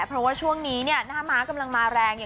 เพราะว่าช่วงนี้น่ามากำลังมาแรง